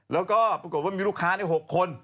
แล้วก็ปรากฏว่ามีลูกค้าใน๖คน